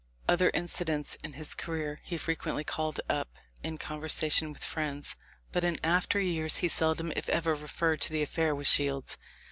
Other incidents in his career he frequently called up in conversation with friends, but in after years he seldom if ever referred to the affair w T ith Shields.